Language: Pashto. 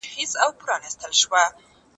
د موسسو زور د سياست لپاره اړين نه دی.